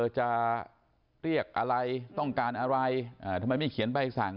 จะเรียกอะไรต้องการอะไรทำไมไม่เขียนใบสั่ง